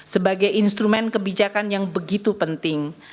sebagai instrumen kebijakan yang begitu penting